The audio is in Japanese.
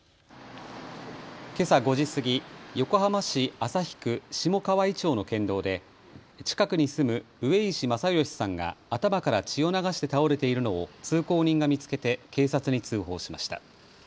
けさ５時過ぎ、横浜市旭区下川井町の県道で近くに住む上石正義さんが頭から血を流して倒れているのを通行人が見つけて警察に通報しました。